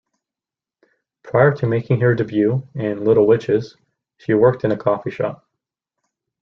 Prior to making her debut in "Little Witches", she worked in a coffee shop.